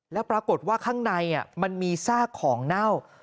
แล้วปรากฏว่าข้างในมันมีซากของเน่า